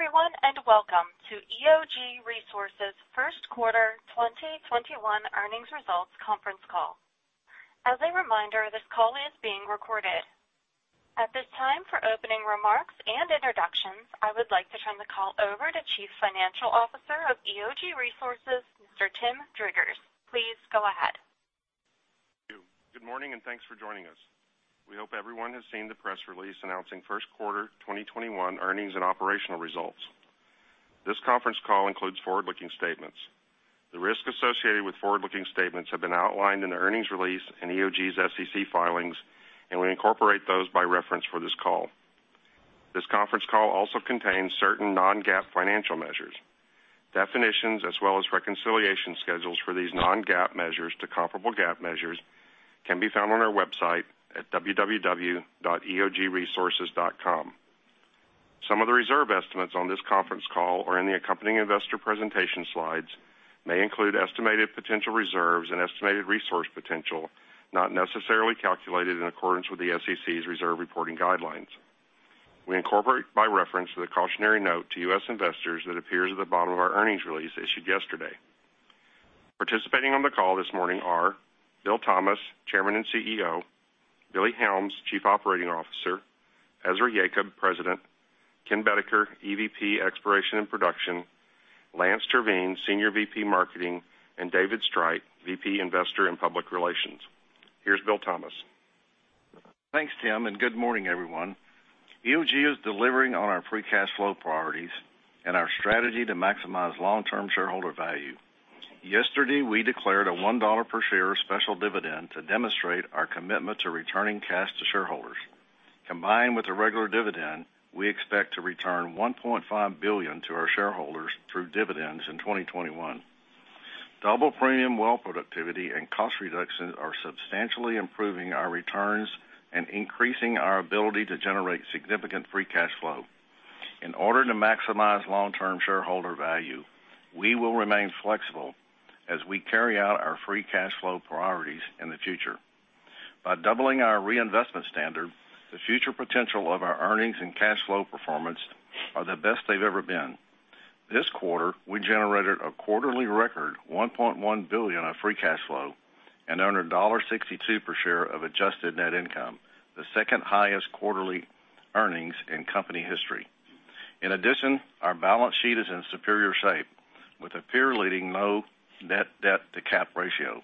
Good day, everyone, and welcome to EOG Resources first quarter 2021 earnings results conference call. As a reminder, this call is being recorded. At this time, for opening remarks and introductions, I would like to turn the call over to Chief Financial Officer of EOG Resources, Mr. Tim Driggers. Please go ahead. Thank you. Good morning, and thanks for joining us. We hope everyone has seen the press release announcing first quarter 2021 earnings and operational results. This conference call includes forward-looking statements. The risks associated with forward-looking statements have been outlined in the earnings release in EOG's SEC filings. We incorporate those by reference for this call. This conference call also contains certain non-GAAP financial measures. Definitions, as well as reconciliation schedules for these non-GAAP measures to comparable GAAP measures, can be found on our website at www.eogresources.com. Some of the reserve estimates on this conference call or in the accompanying investor presentation slides may include estimated potential reserves and estimated resource potential, not necessarily calculated in accordance with the SEC's reserve reporting guidelines. We incorporate by reference to the cautionary note to U.S. investors that appears at the bottom of our earnings release issued yesterday. Participating on the call this morning are Bill Thomas, Chairman and CEO, Lloyd Helms, Chief Operating Officer, Ezra Yacob, President, Ken Boedeker, Executive Vice President, Exploration and Production, Lance Terveen, Senior Vice President, Marketing, and David Streit, Vice President, Investor and Public Relations. Here's Bill Thomas. Thanks, Tim. Good morning, everyone. EOG is delivering on our free cash flow priorities and our strategy to maximize long-term shareholder value. Yesterday, we declared a $1 per share special dividend to demonstrate our commitment to returning cash to shareholders. Combined with a regular dividend, we expect to return $1.5 billion to our shareholders through dividends in 2021. Double premium well productivity and cost reduction are substantially improving our returns and increasing our ability to generate significant free cash flow. In order to maximize long-term shareholder value, we will remain flexible as we carry out our free cash flow priorities in the future. By doubling our reinvestment standard, the future potential of our earnings and cash flow performance are the best they've ever been. This quarter, we generated a quarterly record $1.1 billion of free cash flow and earned $1.62 per share of adjusted net income, the second-highest quarterly earnings in company history. Our balance sheet is in superior shape with a peer-leading low net debt to cap ratio.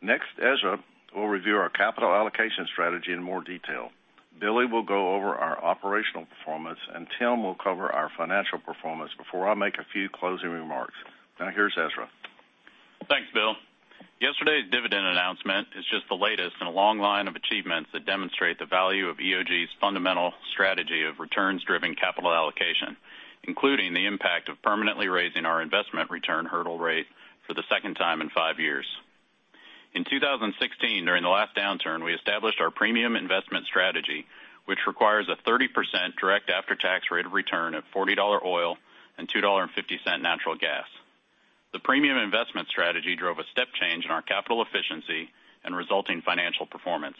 Next, Ezra will review our capital allocation strategy in more detail. Billy will go over our operational performance, and Tim will cover our financial performance before I make a few closing remarks. Now, here's Ezra. Thanks, Bill. Yesterday's dividend announcement is just the latest in a long line of achievements that demonstrate the value of EOG Resources's fundamental strategy of returns-driven capital allocation, including the impact of permanently raising our investment return hurdle rate for the second time in five years. In 2016, during the last downturn, we established our premium investment strategy, which requires a 30% direct after-tax rate of return at $40 oil and $2.50 natural gas. The premium investment strategy drove a step change in our capital efficiency and resulting financial performance.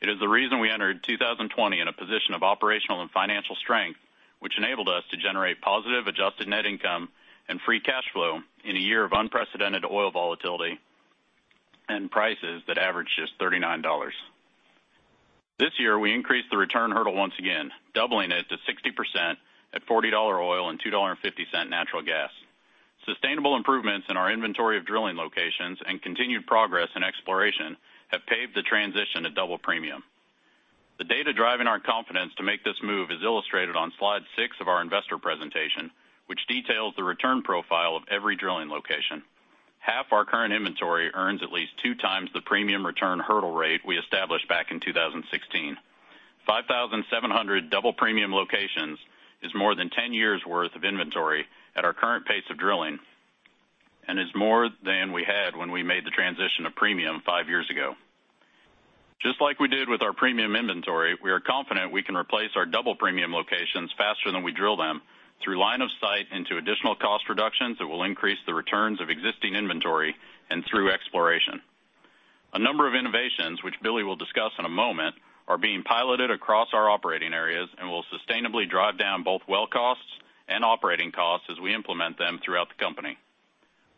It is the reason we entered 2020 in a position of operational and financial strength, which enabled us to generate positive adjusted net income and free cash flow in a year of unprecedented oil volatility and prices that averaged just $39. This year, we increased the return hurdle once again, doubling it to 60% at $40 oil and $2.50 natural gas. Sustainable improvements in our inventory of drilling locations and continued progress in exploration have paved the transition to double premium. The data driving our confidence to make this move is illustrated on slide six of our investor presentation, which details the return profile of every drilling location. Half our current inventory earns at least 2x the premium return hurdle rate we established back in 2016. 5,700 double premium locations is more than 10 years' worth of inventory at our current pace of drilling and is more than we had when we made the transition to premium five years ago. Just like we did with our premium inventory, we are confident we can replace our double premium locations faster than we drill them through line of sight into additional cost reductions that will increase the returns of existing inventory and through exploration. A number of innovations, which Billy will discuss in a moment, are being piloted across our operating areas and will sustainably drive down both well costs and operating costs as we implement them throughout the company.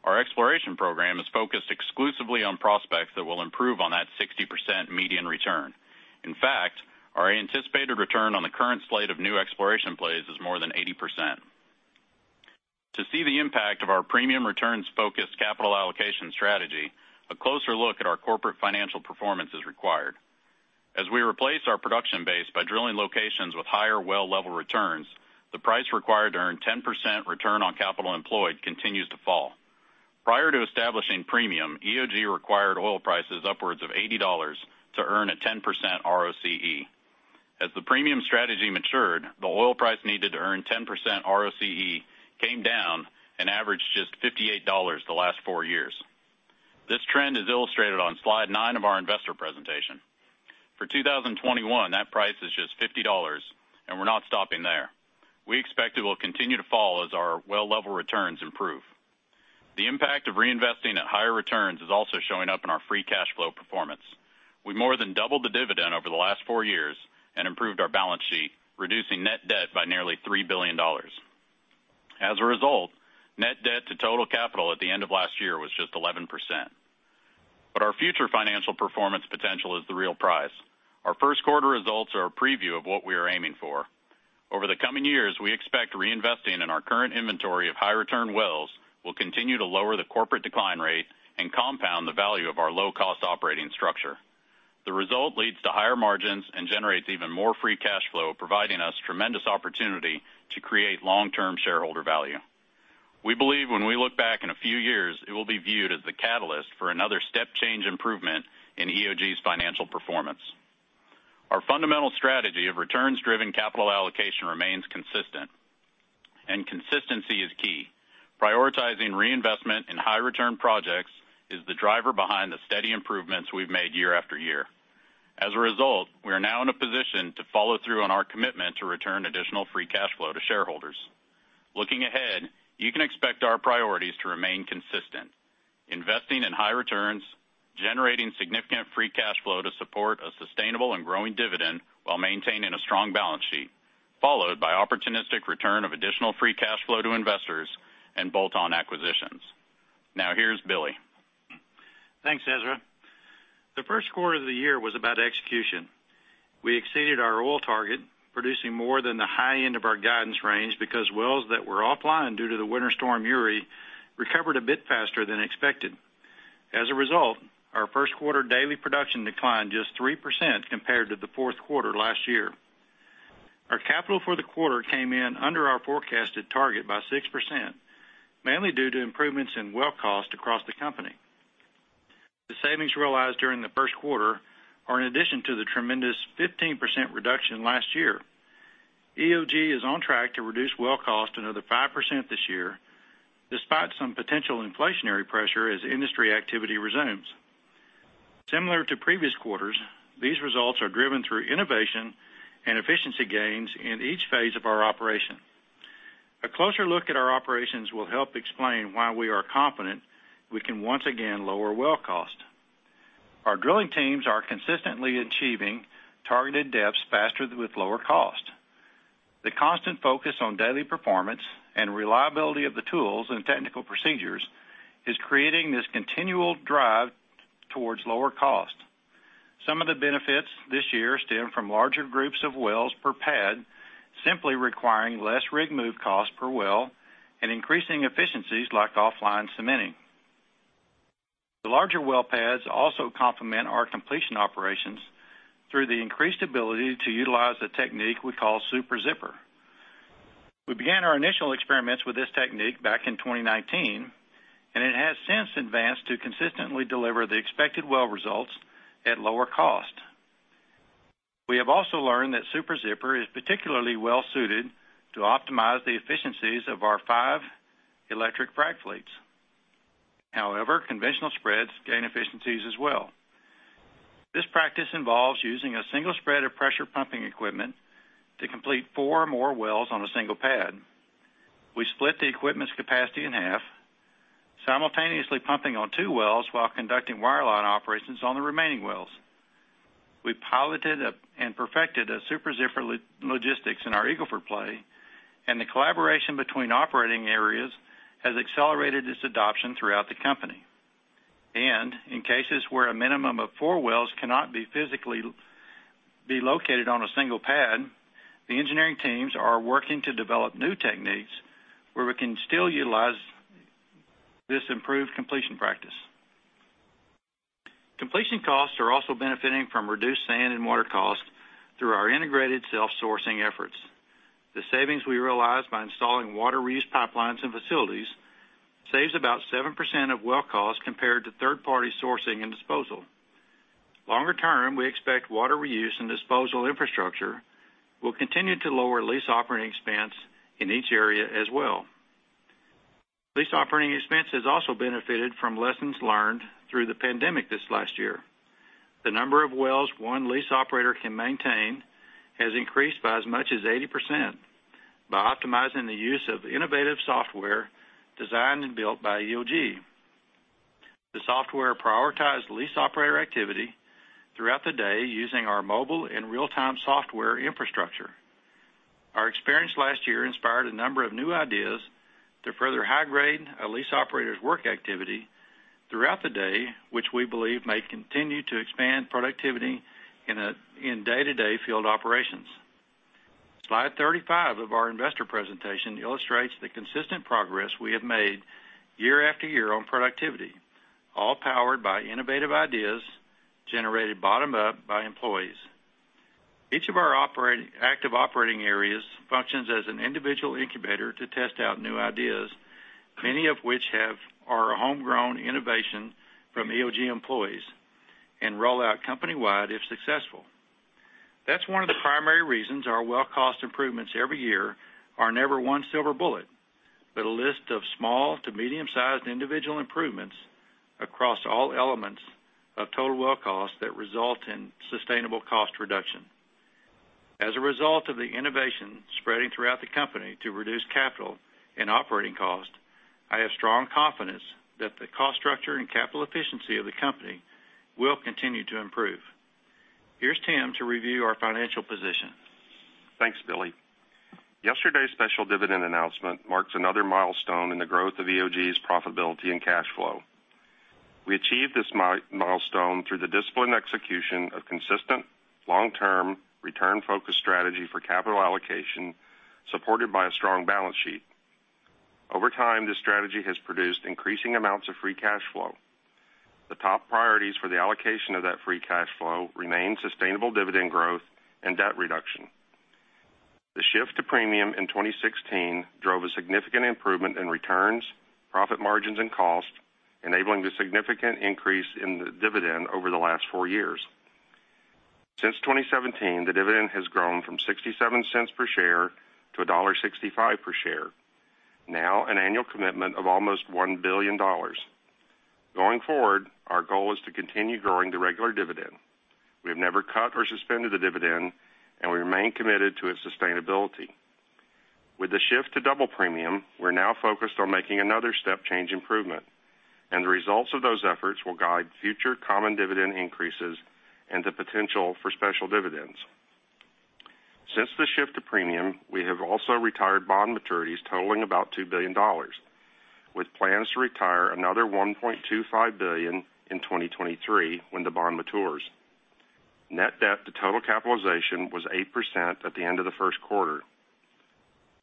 Our exploration program is focused exclusively on prospects that will improve on that 60% median return. In fact, our anticipated return on the current slate of new exploration plays is more than 80%. To see the impact of our premium returns-focused capital allocation strategy, a closer look at our corporate financial performance is required. As we replace our production base by drilling locations with higher well level returns, the price required to earn 10% return on capital employed continues to fall. Prior to establishing premium, EOG required oil prices upwards of $80 to earn a 10% ROCE. As the premium strategy matured, the oil price needed to earn 10% ROCE came down and averaged just $58 the last four years. This trend is illustrated on slide nine of our investor presentation. For 2021, that price is just $50, and we're not stopping there. We expect it will continue to fall as our well level returns improve. The impact of reinvesting at higher returns is also showing up in our free cash flow performance. We more than doubled the dividend over the last four years and improved our balance sheet, reducing net debt by nearly $3 billion. As a result, net debt to total capital at the end of last year was just 11%. Our future financial performance potential is the real prize. Our first quarter results are a preview of what we are aiming for. Over the coming years, we expect reinvesting in our current inventory of high return wells will continue to lower the corporate decline rate and compound the value of our low-cost operating structure. The result leads to higher margins and generates even more free cash flow, providing us tremendous opportunity to create long-term shareholder value. We believe when we look back in a few years, it will be viewed as the catalyst for another step change improvement in EOG's financial performance. Our fundamental strategy of returns-driven capital allocation remains consistent, and consistency is key. Prioritizing reinvestment in high return projects is the driver behind the steady improvements we've made year after year. As a result, we are now in a position to follow through on our commitment to return additional free cash flow to shareholders. Looking ahead, you can expect our priorities to remain consistent. Investing in high returns, generating significant free cash flow to support a sustainable and growing dividend while maintaining a strong balance sheet, followed by opportunistic return of additional free cash flow to investors and bolt-on acquisitions. Now here's Billy. Thanks, Ezra. The first quarter of the year was about execution. We exceeded our oil target, producing more than the high end of our guidance range because wells that were offline due to the Winter Storm Uri recovered a bit faster than expected. As a result, our first quarter daily production declined just 3% compared to the fourth quarter last year. Our capital for the quarter came in under our forecasted target by 6%, mainly due to improvements in well cost across the company. The savings realized during the first quarter are in addition to the tremendous 15% reduction last year. EOG is on track to reduce well cost another 5% this year, despite some potential inflationary pressure as industry activity resumes. Similar to previous quarters, these results are driven through innovation and efficiency gains in each phase of our operation. A closer look at our operations will help explain why we are confident we can once again lower well cost. Our drilling teams are consistently achieving targeted depths faster with lower cost. The constant focus on daily performance and reliability of the tools and technical procedures is creating this continual drive towards lower cost. Some of the benefits this year stem from larger groups of wells per pad, simply requiring less rig move cost per well and increasing efficiencies like offline cementing. The larger well pads also complement our completion operations through the increased ability to utilize a technique we call Super Zipper. We began our initial experiments with this technique back in 2019, and it has since advanced to consistently deliver the expected well results at lower cost. We have also learned that Super Zipper is particularly well suited to optimize the efficiencies of our five electric frac fleets. Conventional spreads gain efficiencies as well. This practice involves using a single spread of pressure pumping equipment to complete four or more wells on a single pad. We split the equipment's capacity in half, simultaneously pumping on two wells while conducting wireline operations on the remaining wells. We piloted and perfected Super Zipper logistics in our Eagle Ford play, the collaboration between operating areas has accelerated its adoption throughout the company. In cases where a minimum of four wells cannot be physically located on a single pad, the engineering teams are working to develop new techniques where we can still utilize this improved completion practice. Completion costs are also benefiting from reduced sand and water costs through our integrated self-sourcing efforts. The savings we realize by installing water reuse pipelines and facilities saves about 7% of well cost compared to third-party sourcing and disposal. Longer term, we expect water reuse and disposal infrastructure will continue to lower lease operating expense in each area as well. Lease operating expense has also benefited from lessons learned through the pandemic this last year. The number of wells one lease operator can maintain has increased by as much as 80% by optimizing the use of innovative software designed and built by EOG. The software prioritized lease operator activity throughout the day using our mobile and real-time software infrastructure. Our experience last year inspired a number of new ideas to further high-grade a lease operator's work activity throughout the day, which we believe may continue to expand productivity in day-to-day field operations. Slide 35 of our investor presentation illustrates the consistent progress we have made year after year on productivity, all powered by innovative ideas generated bottom up by employees. Each of our active operating areas functions as an individual incubator to test out new ideas, many of which have our homegrown innovation from EOG employees and roll out company-wide if successful. That's one of the primary reasons our well cost improvements every year are never one silver bullet, but a list of small to medium-sized individual improvements across all elements of total well costs that result in sustainable cost reduction. As a result of the innovation spreading throughout the company to reduce capital and operating cost, I have strong confidence that the cost structure and capital efficiency of the company will continue to improve. Here's Tim to review our financial position. Thanks, Billy. Yesterday's special dividend announcement marks another milestone in the growth of EOG's profitability and cash flow. We achieved this milestone through the disciplined execution of consistent long-term return focused strategy for capital allocation, supported by a strong balance sheet. Over time, this strategy has produced increasing amounts of free cash flow. The top priorities for the allocation of that free cash flow remain sustainable dividend growth and debt reduction. The shift to premium in 2016 drove a significant improvement in returns, profit margins and cost, enabling the significant increase in the dividend over the last four years. Since 2017, the dividend has grown from $0.67 per share to $1.65 per share. Now an annual commitment of almost $1 billion. Going forward, our goal is to continue growing the regular dividend. We have never cut or suspended the dividend, and we remain committed to its sustainability. With the shift to double premium, we're now focused on making another step change improvement, and the results of those efforts will guide future common dividend increases and the potential for special dividends. Since the shift to premium, we have also retired bond maturities totaling about $2 billion, with plans to retire another $1.25 billion in 2023 when the bond matures. Net debt to total capitalization was 8% at the end of the first quarter.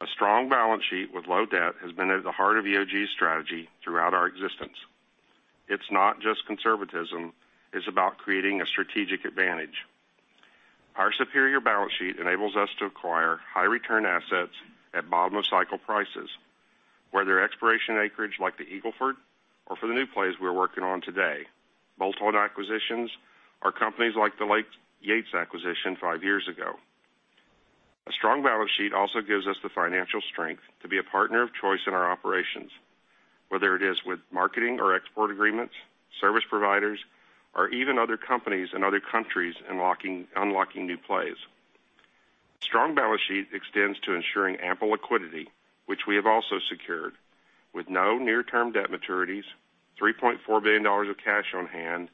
A strong balance sheet with low debt has been at the heart of EOG's strategy throughout our existence. It's not just conservatism, it's about creating a strategic advantage. Our superior balance sheet enables us to acquire high return assets at bottom of cycle prices, whether exploration acreage like the Eagle Ford or for the new plays we're working on today. Bolt on acquisitions are companies like the Yates acquisition five years ago. A strong balance sheet also gives us the financial strength to be a partner of choice in our operations, whether it is with marketing or export agreements, service providers, or even other companies in other countries unlocking new plays. Strong balance sheet extends to ensuring ample liquidity, which we have also secured with no near-term debt maturities, $3.4 billion of cash on hand,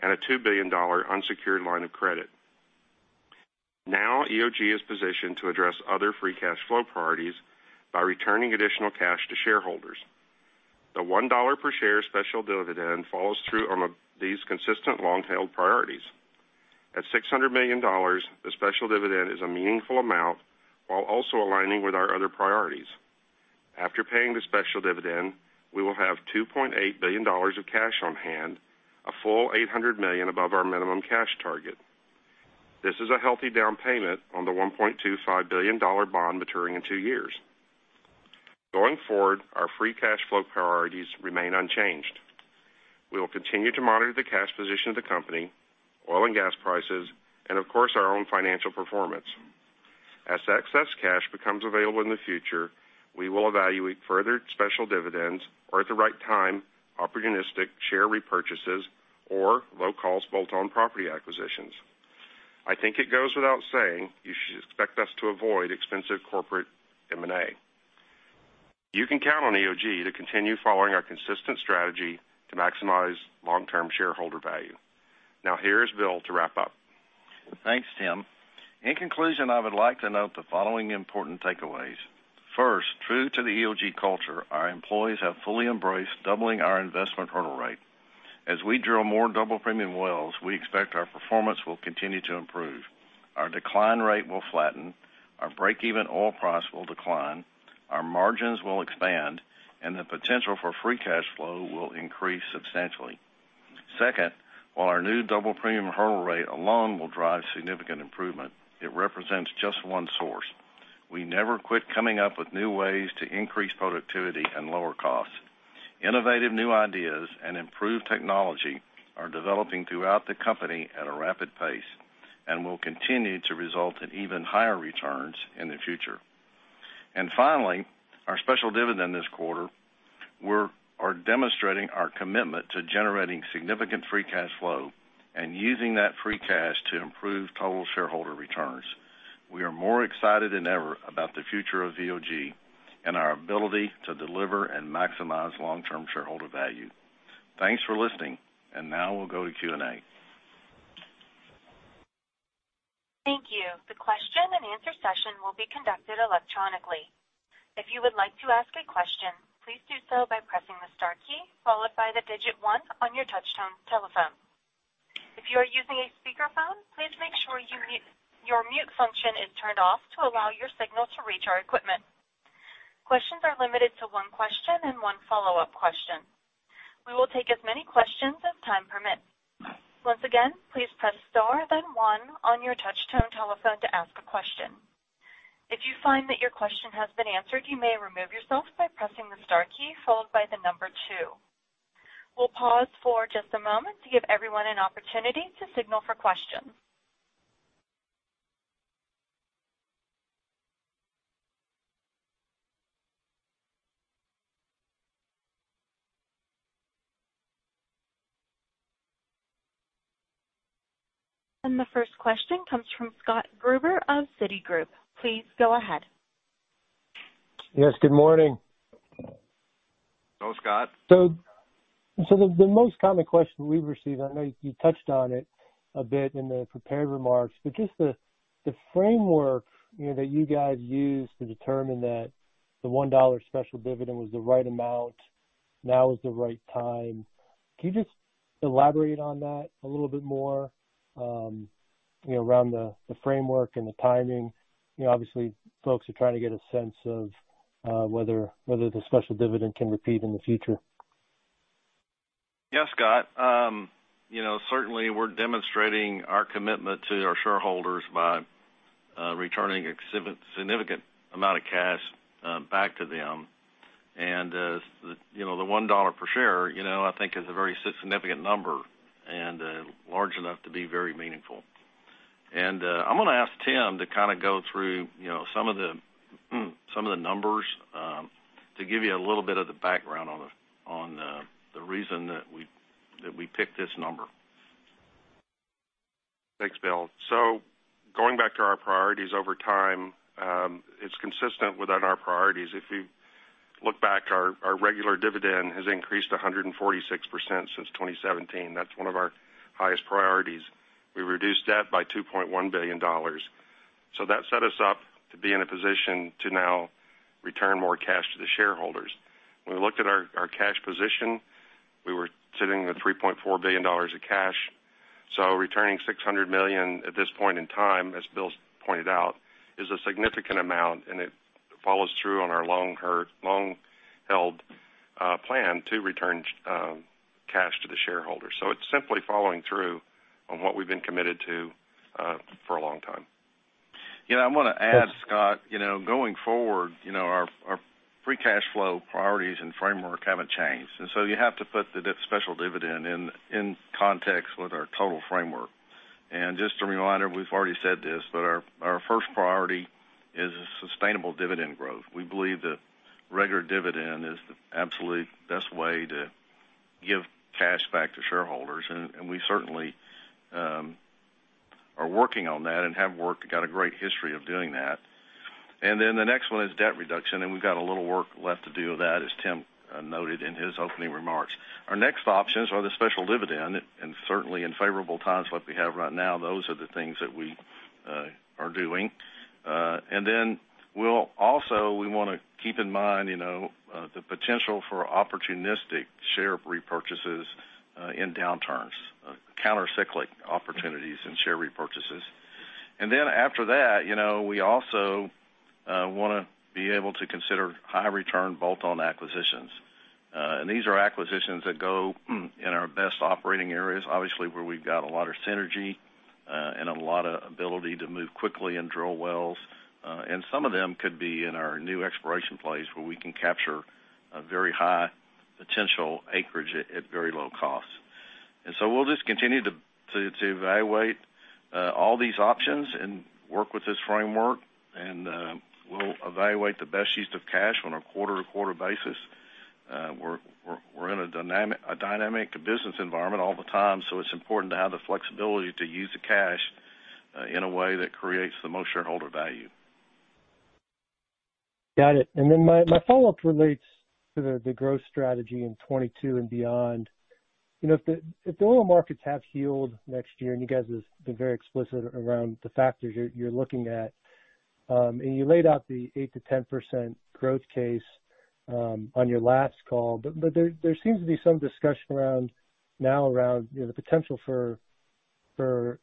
and a $2 billion unsecured line of credit. Now EOG is positioned to address other free cash flow priorities by returning additional cash to shareholders. The $1 per share special dividend follows through on these consistent long-tailed priorities. At $600 million, the special dividend is a meaningful amount while also aligning with our other priorities. After paying the special dividend, we will have $2.8 billion of cash on hand, a full $800 million above our minimum cash target. This is a healthy down payment on the $1.25 billion bond maturing in two years. Going forward, our free cash flow priorities remain unchanged. We will continue to monitor the cash position of the company, oil and gas prices, and of course, our own financial performance. As excess cash becomes available in the future, we will evaluate further special dividends or at the right time, opportunistic share repurchases or low-cost bolt-on property acquisitions.I think it goes without saying, you should expect us to avoid expensive corporate M&A. You can count on EOG to continue following our consistent strategy to maximize long-term shareholder value. Here is Bill to wrap up. Thanks, Tim. In conclusion, I would like to note the following important takeaways. First, true to the EOG Resources culture, our employees have fully embraced doubling our investment hurdle rate. As we drill more double premium wells, we expect our performance will continue to improve. Our decline rate will flatten, our break-even oil price will decline, our margins will expand, and the potential for free cash flow will increase substantially. Second, while our new double premium hurdle rate alone will drive significant improvement, it represents just one source. We never quit coming up with new ways to increase productivity and lower costs. Innovative new ideas and improved technology are developing throughout the company at a rapid pace and will continue to result in even higher returns in the future. Finally, our special dividend this quarter, we're demonstrating our commitment to generating significant free cash flow and using that free cash to improve total shareholder returns. We are more excited than ever about the future of EOG and our ability to deliver and maximize long-term shareholder value. Thanks for listening. Now we'll go to Q&A. Thank you. The question-and-answer session will be conducted electronically. If you would like to ask a question, please do so by pressing the star key followed by the digit one on your touch tone telephone. If you are using a speakerphone, please make sure your mute function is turned off to allow your signal to reach our equipment. Questions are limited to one question and one follow-up question. We will take as many questions as time permits. Once again, please press Star then one on your touch tone telephone to ask a question. If you find that your question has been answered, you may remove yourself by pressing the star key followed by the number two. We'll pause for just a moment to give everyone an opportunity to signal for questions. The first question comes from Scott Gruber of Citigroup. Please go ahead. Yes, good morning. Hello, Scott. The most common question we've received, I know you touched on it a bit in the prepared remarks, just the framework, you know, that you guys used to determine that the $1 special dividend was the right amount, now is the right time. Can you just elaborate on that a little bit more, you know, around the framework and the timing? You know, obviously, folks are trying to get a sense of whether the special dividend can repeat in the future. Yeah, Scott. You know, certainly we're demonstrating our commitment to our shareholders by returning a significant amount of cash back to them. The, you know, the $1 per share, you know, I think is a very significant number and large enough to be very meaningful. I'm gonna ask Tim to kinda go through, you know, some of the numbers to give you a little bit of the background on the reason that we picked this number. Thanks, Bill. Going back to our priorities over time, it's consistent with our priorities. If you look back, our regular dividend has increased 146% since 2017. That's one of our highest priorities. We reduced debt by $2.1 billion. That set us up to be in a position to now return more cash to the shareholders. When we looked at our cash position, we were sitting at $3.4 billion of cash. Returning $600 million at this point in time, as Bill's pointed out, is a significant amount, and it follows through on our long-held plan to return cash to the shareholders. It's simply following through on what we've been committed to for a long time. I want to add, Scott, going forward, our free cash flow priorities and framework haven't changed. You have to put the special dividend in context with our total framework. Just a reminder, we've already said this, but our first priority is a sustainable dividend growth. We believe that regular dividend is the absolute best way to give cash back to shareholders, and we certainly are working on that and have worked, got a great history of doing that. Then the next one is debt reduction, and we've got a little work left to do of that, as Tim noted in his opening remarks. Our next options are the special dividend, and certainly in favorable times like we have right now, those are the things that we are doing. Then we'll also, we wanna keep in mind, you know, the potential for opportunistic share repurchases, in downturns, counter-cyclic opportunities and share repurchases. Then after that, you know, we also wanna be able to consider high return bolt-on acquisitions. These are acquisitions that go in our best operating areas, obviously, where we've got a lot of synergy, and a lot of ability to move quickly and drill wells. Some of them could be in our new exploration plays where we can capture a very high potential acreage at very low costs. So we'll just continue to evaluate all these options and work with this framework, and we'll evaluate the best use of cash on a quarter-to-quarter basis. We're in a dynamic business environment all the time. It's important to have the flexibility to use the cash in a way that creates the most shareholder value. My follow-up relates to the growth strategy in 2022 and beyond. You know, if the oil markets have healed next year, and you guys have been very explicit around the factors you're looking at, and you laid out the 8%-10% growth case on your last call. There seems to be some discussion around, you know, the potential for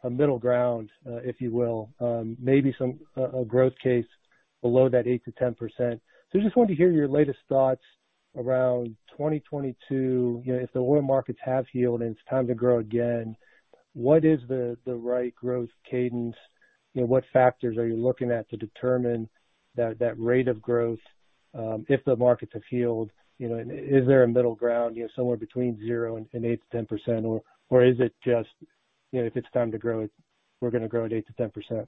a middle ground, if you will. Maybe some, a growth case below that 8%-10%. I just wanted to hear your latest thoughts around 2022. You know, if the oil markets have healed and it's time to grow again, what is the right growth cadence? You know, what factors are you looking at to determine that rate of growth, if the markets have healed? You know, is there a middle ground, you know, somewhere between 0 and 8%-10%? Or is it just, you know, if it's time to grow it, we're gonna grow at 8%-10%?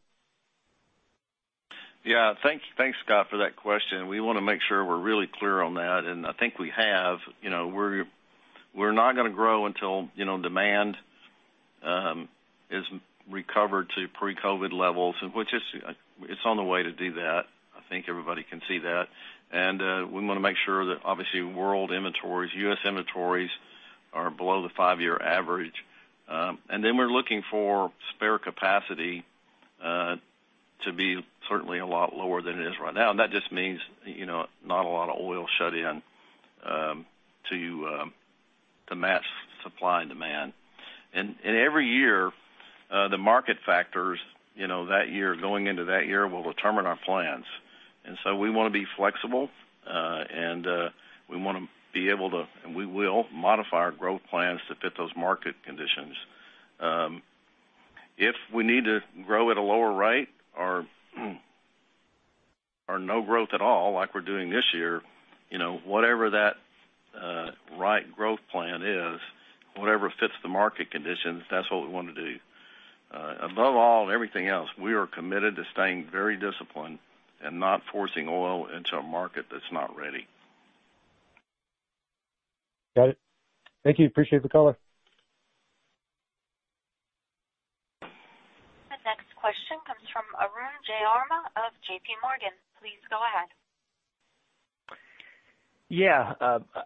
Thanks, Scott, for that question. We wanna make sure we're really clear on that, and I think we have. We're not gonna grow until demand is recovered to pre-COVID levels, and which is, it's on the way to do that. I think everybody can see that. We wanna make sure that obviously world inventories, U.S. inventories are below the five-year average. We're looking for spare capacity to be certainly a lot lower than it is right now, and that just means not a lot of oil shut in to match supply and demand. Every year, the market factors that year, going into that year will determine our plans. We wanna be flexible, and we wanna be able to, and we will modify our growth plans to fit those market conditions. If we need to grow at a lower rate or no growth at all, like we're doing this year, you know, whatever that right growth plan is, whatever fits the market conditions, that's what we wanna do. Above all and everything else, we are committed to staying very disciplined and not forcing oil into a market that's not ready. Got it. Thank you. Appreciate the call. The next question comes from Arun Jayaram of JPMorgan. Please go ahead.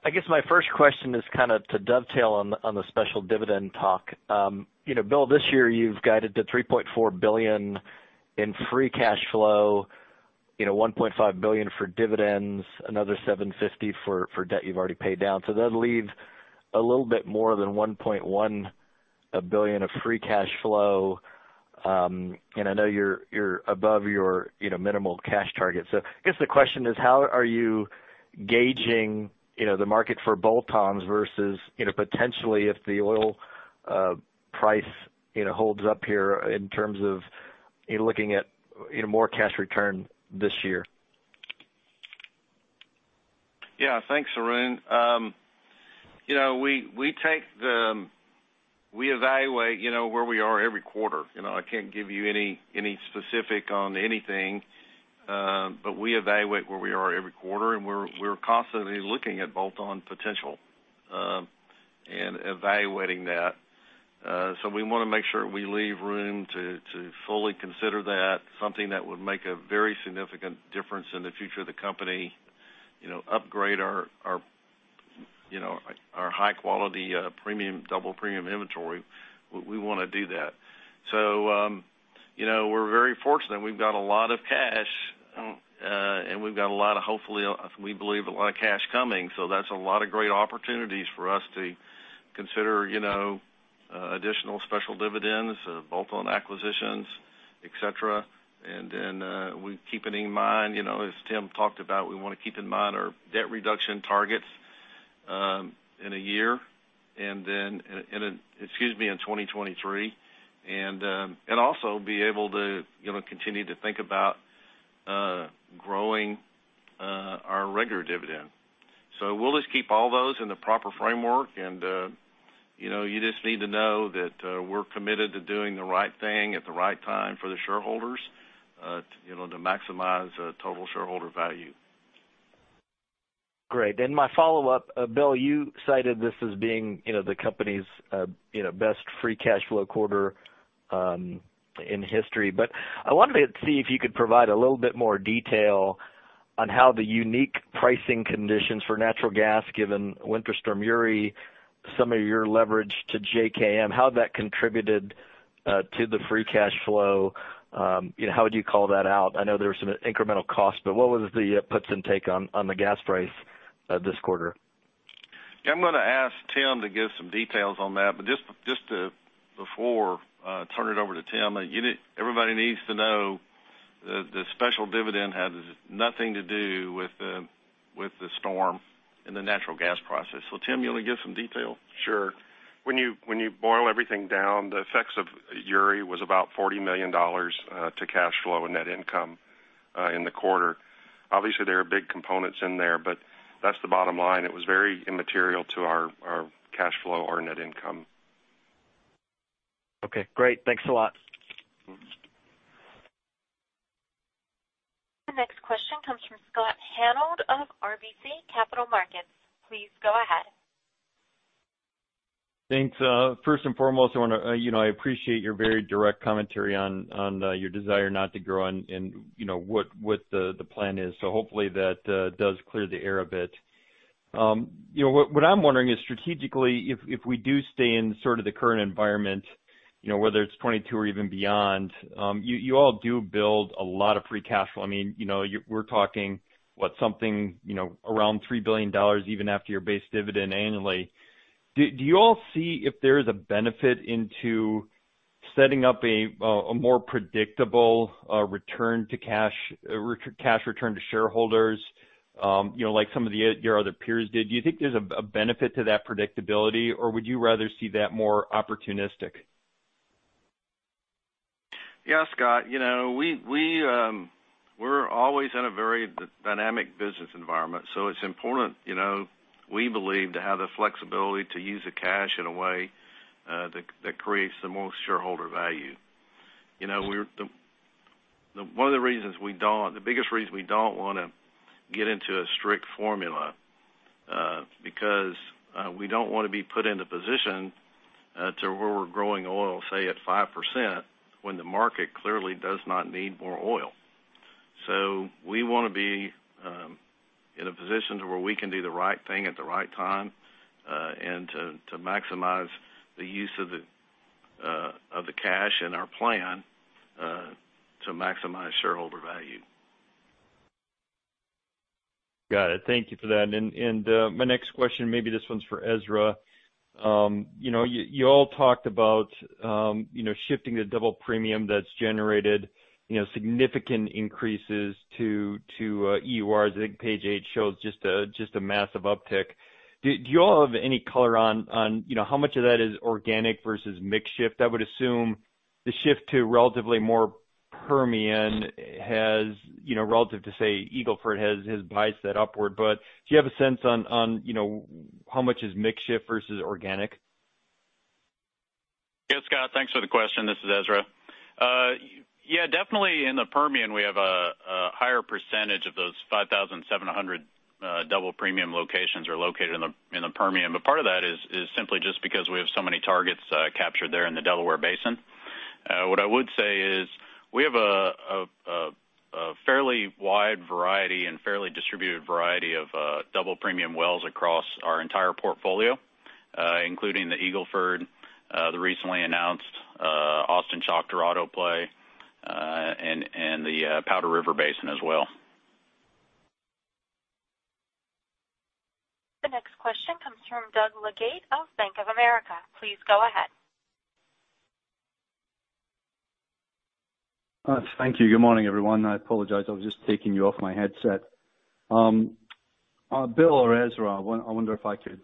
I guess my first question is kind of to dovetail on the special dividend talk. You know, Bill, this year you've guided to $3.4 billion in free cash flow, you know, $1.5 billion for dividends, another $750 for debt you've already paid down. That leaves a little bit more than $1.1 billion of free cash flow. And I know you're above your, you know, minimal cash target. I guess the question is: how are you gauging, you know, the market for bolt-ons versus, you know, potentially if the oil price, you know, holds up here in terms of you looking at, you know, more cash return this year? Thanks, Arun. We evaluate, you know, where we are every quarter. You know, I can't give you any specific on anything. We evaluate where we are every quarter, and we're constantly looking at bolt-on potential and evaluating that. We want to make sure we leave room to fully consider that something that would make a very significant difference in the future of the company, you know, upgrade our high-quality premium, double premium inventory. We want to do that. You know, we're very fortunate. We've got a lot of cash, and we've got hopefully, we believe a lot of cash coming. That's a lot of great opportunities for us to consider, you know, additional special dividends, bolt-on acquisitions, etc. We keeping in mind, as Tim talked about, we wanna keep in mind our debt reduction targets in a year and then in 2023. Also be able to continue to think about growing our regular dividend. We'll just keep all those in the proper framework and you just need to know that we're committed to doing the right thing at the right time for the shareholders to maximize total shareholder value. Great. My follow-up. Bill, you cited this as being, you know, the company's, you know, best free cash flow quarter in history. I wanted to see if you could provide a little bit more detail on how the unique pricing conditions for natural gas, given Winter Storm Uri, some of your leverage to JKM, how that contributed to the free cash flow. You know, how would you call that out? I know there are some incremental costs, but what was the puts and takes on the gas price this quarter? Yeah. I'm gonna ask Tim to give some details on that. Just to, before turn it over to Tim, everybody needs to know that the special dividend has nothing to do with the, with the storm and the natural gas prices. Tim, you wanna give some detail? Sure. When you boil everything down, the effects of Uri was about $40 million to cash flow and net income in the quarter. Obviously, there are big components in there, that's the bottom line. It was very immaterial to our cash flow or net income. Okay, great. Thanks a lot. The next question comes from Scott Hanold of RBC Capital Markets. Please go ahead. Thanks. First and foremost, I wanna, you know, I appreciate your very direct commentary on your desire not to grow and, you know, what the plan is. Hopefully that does clear the air a bit. You know, what I'm wondering is strategically if we do stay in sort of the current environment, you know, whether it's 2022 or even beyond, you all do build a lot of free cash flow. I mean, you know, we're talking, what, something, you know, around $3 billion even after your base dividend annually. Do you all see if there is a benefit into setting up a more predictable return to cash return to shareholders, you know, like some of the your other peers did? Do you think there's a benefit to that predictability, or would you rather see that more opportunistic? Yeah, Scott. You know, we're always in a very dynamic business environment, it's important, you know, we believe to have the flexibility to use the cash in a way that creates the most shareholder value. You know, one of the reasons we don't, the biggest reason we don't wanna get into a strict formula, because we don't wanna be put in the position to where we're growing oil, say at 5% when the market clearly does not need more oil. We wanna be in a position to where we can do the right thing at the right time, and to maximize the use of the cash and our plan to maximize shareholder value. Got it. Thank you for that. My next question, maybe this one's for Ezra. You know, you all talked about, you know, shifting the double premium that's generated, you know, significant increases to EURs. I think page eight shows just a massive uptick. Do you all have any color on, you know, how much of that is organic versus mix shift? I would assume the shift to relatively more Permian has, you know, relative to, say, Eagle Ford has biased that upward. Do you have a sense on, you know, how much is mix shift versus organic? Thanks for the question. This is Ezra. Yeah, definitely in the Permian, we have a higher percentage of those 5,700 double premium locations are located in the Permian. Part of that is simply just because we have so many targets captured there in the Delaware Basin. What I would say is we have a fairly wide variety and fairly distributed variety of double premium wells across our entire portfolio, including the Eagle Ford, the recently announced Austin Chalk Dorado play, and the Powder River Basin as well. The next question comes from Doug Leggate of Bank of America. Please go ahead. Thank you. Good morning, everyone. I apologize, I was just taking you off my headset. Bill or Ezra, I wonder if I could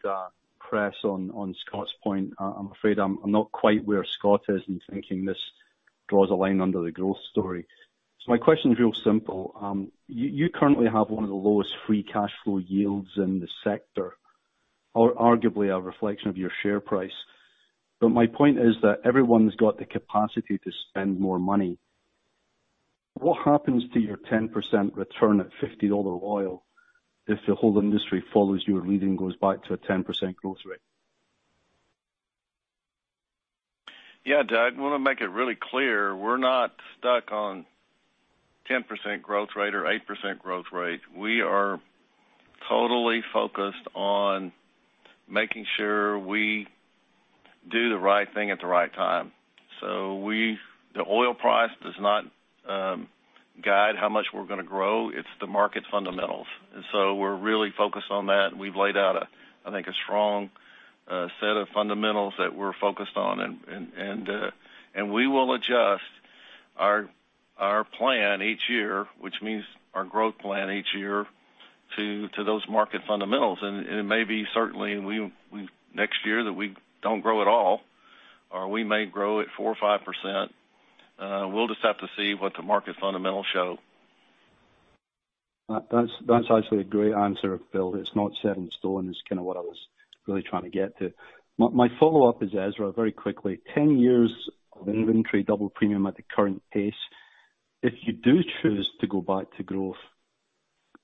press on Scott's point. I'm afraid I'm not quite where Scott is in thinking this draws a line under the growth story. My question is real simple. You currently have one of the lowest free cash flow yields in the sector, or arguably a reflection of your share price. My point is that everyone's got the capacity to spend more money. What happens to your 10% return at $50 oil if the whole industry follows your lead and goes back to a 10% growth rate? Yeah, Doug, I wanna make it really clear, we're not stuck on 10% growth rate or 8% growth rate. We are totally focused on making sure we do the right thing at the right time. The oil price does not guide how much we're gonna grow. It's the market fundamentals. We're really focused on that, and we've laid out a, I think, a strong set of fundamentals that we're focused on. We will adjust our plan each year, which means our growth plan each year to those market fundamentals. It may be certainly we next year that we don't grow at all, or we may grow at 4% or 5%. We'll just have to see what the market fundamentals show. That's actually a great answer, Bill. It's not set in stone is kinda what I was really trying to get to. My follow-up is Ezra, very quickly. 10 years of inventory double premium at the current pace. If you do choose to go back to growth,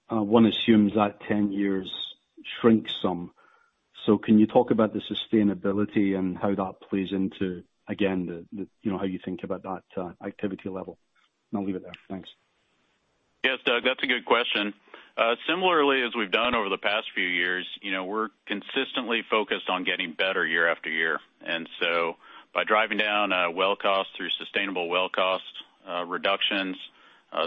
one assumes that 10 years shrinks some. Can you talk about the sustainability and how that plays into, again, the, you know, how you think about that, activity level? I'll leave it there. Thanks. Yes, Doug, that's a good question. Similarly, as we've done over the past few years, you know, we're consistently focused on getting better year after year. By driving down well costs through sustainable well cost reductions,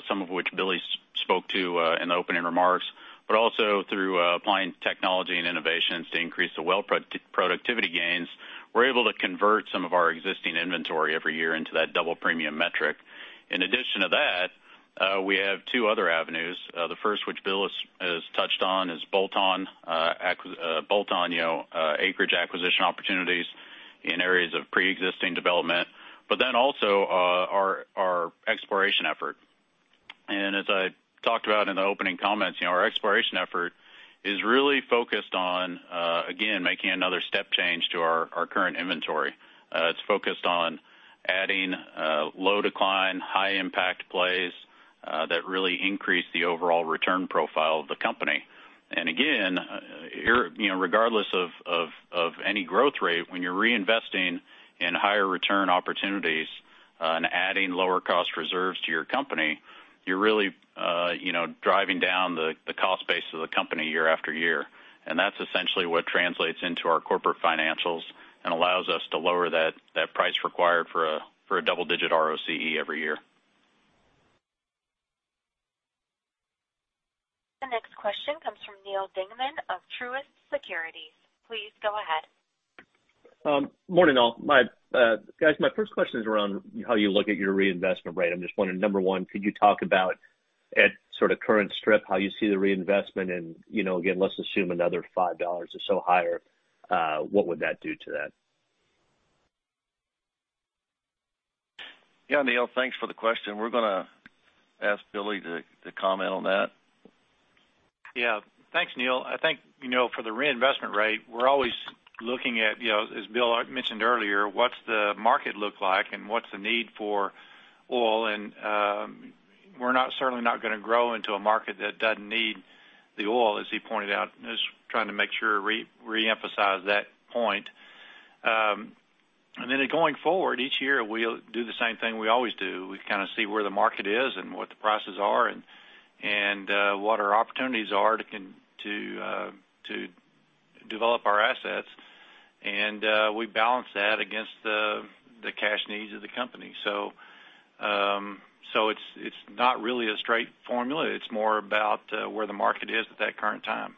some of which Billy spoke to in the opening remarks, but also through applying technology and innovations to increase the well productivity gains, we're able to convert some of our existing inventory every year into that double premium metric. In addition to that, we have two other avenues. The first, which Bill Thomas has touched on, is bolt-on, you know, acreage acquisition opportunities in areas of pre-existing development. Also, our exploration effort. As I talked about in the opening comments, you know, our exploration effort is really focused on again, making another step change to our current inventory. It's focused on adding low decline, high impact plays that really increase the overall return profile of the company. Again, here, you know, regardless of any growth rate, when you're reinvesting in higher return opportunities and adding lower cost reserves to your company, you're really, you know, driving down the cost base of the company year after year. That's essentially what translates into our corporate financials and allows us to lower that price required for a double-digit ROCE every year. The next question comes from Neal Dingmann of Truist Securities. Please go ahead. Morning, all. My guys, my first question is around how you look at your reinvestment rate. I'm just wondering, number one, could you talk about at sort of current strip, how you see the reinvestment? You know, again, let's assume another $5 or so higher, what would that do to that? Yeah, Neal, thanks for the question. We're gonna ask Billy to comment on that. Yeah, thanks, Neal. I think, you know, for the reinvestment rate, we're always looking at, you know, as Bill mentioned earlier, what's the market look like and what's the need for oil. We're not, certainly not going to grow into a market that doesn't need the oil, as he pointed out. Just trying to make sure re-emphasize that point. Going forward, each year, we'll do the same thing we always do. We kind of see where the market is and what the prices are, what our opportunities are to develop our assets. We balance that against the cash needs of the company. It's not really a straight formula. It's more about where the market is at that current time.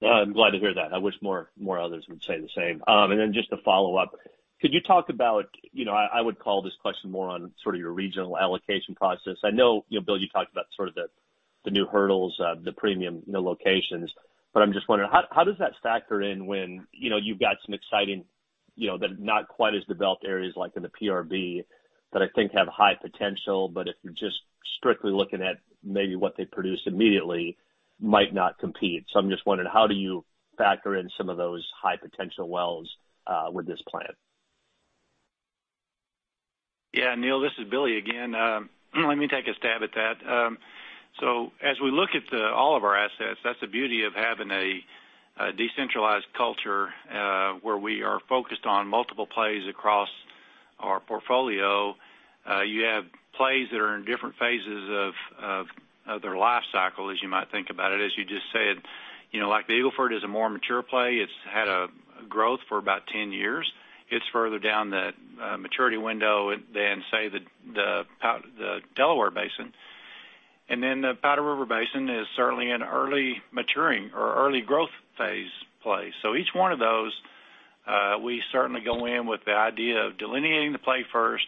Well, I'm glad to hear that. I wish more others would say the same. Then just to follow up, could you talk about, you know, I would call this question more on sort of your regional allocation process. I know, you know, Bill, you talked about sort of the new hurdles, the premium, you know, locations, I'm just wondering how does that factor in when, you know, you've got some exciting, you know, but not quite as developed areas like in the PRB that I think have high potential, but if you're just strictly looking at maybe what they produce immediately. Might not compete. I'm just wondering, how do you factor in some of those high potential wells, with this plan? Yeah, Neal, this is Billy again. Let me take a stab at that. As we look at all of our assets, that's the beauty of having a decentralized culture, where we are focused on multiple plays across our portfolio. You have plays that are in different phases of their life cycle, as you might think about it. As you just said, you know, like the Eagle Ford is a more mature play. It's had growth for about 10 years. It's further down the maturity window than, say, the Delaware Basin. The Powder River Basin is certainly an early maturing or early growth phase play. Each one of those, we certainly go in with the idea of delineating the play first,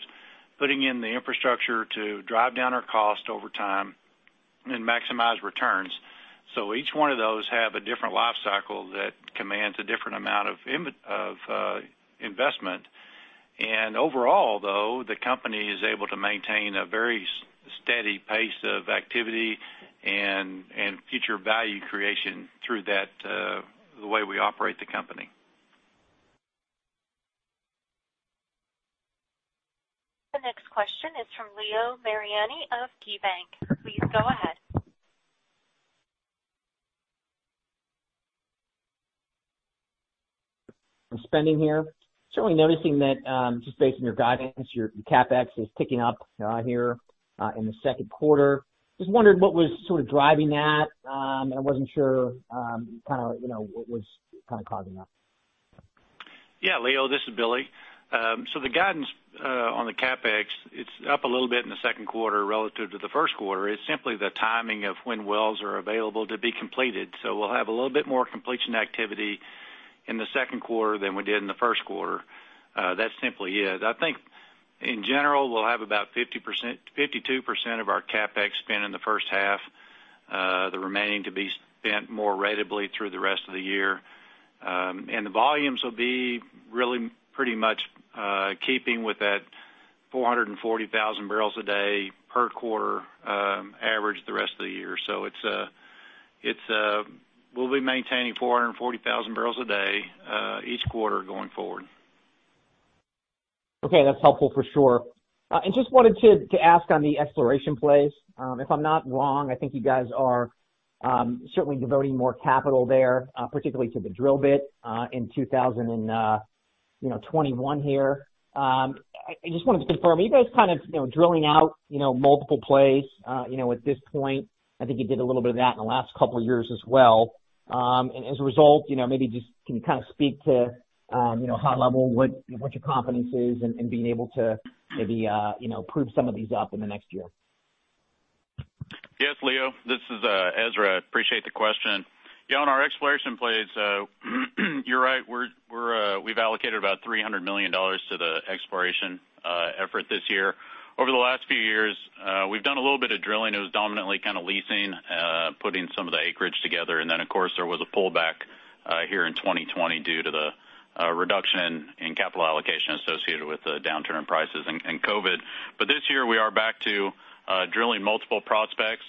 putting in the infrastructure to drive down our cost over time and maximize returns. Each one of those have a different life cycle that commands a different amount of investment. Overall, though, the company is able to maintain a very steady pace of activity and future value creation through that, the way we operate the company. The next question is from Leo Mariani of KeyBanc. Please go ahead. On spending here, certainly noticing that, just based on your guidance, your CapEx is picking up here in the second quarter. Just wondered what was sort of driving that. I wasn't sure, you know, what was kind of causing that. Leo, this is Billy. The guidance on the CapEx, it's up a little bit in the second quarter relative to the first quarter. It's simply the timing of when wells are available to be completed. We'll have a little bit more completion activity in the second quarter than we did in the first quarter. I think, in general, we'll have about 50%-52% of our CapEx spent in the first half, the remaining to be spent more ratably through the rest of the year. The volumes will be really pretty much keeping with that 440,000 bpd per quarter average the rest of the year. We'll be maintaining 440,000 bpd each quarter going forward. Okay, that's helpful for sure. Just wanted to ask on the exploration plays. If I'm not wrong, I think you guys are certainly devoting more capital there, particularly to the drill bit in 2021 here. I just wanted to confirm, are you guys kind of drilling out multiple plays at this point? I think you did a little bit of that in the last couple of years as well. As a result, maybe just can you kind of speak to high level, what your confidence is in being able to maybe prove some of these up in the next year? Yes, Leo, this is Ezra. Appreciate the question. On our exploration plays, you're right. We've allocated about $300 million to the exploration effort this year. Over the last few years, we've done a little bit of drilling. It was dominantly kind of leasing, putting some of the acreage together. Then, of course, there was a pullback here in 2020 due to the reduction in capital allocation associated with the downturn in prices and COVID. This year, we are back to drilling multiple prospects.